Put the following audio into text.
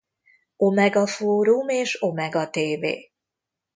Omega-fórum és Omega-tévé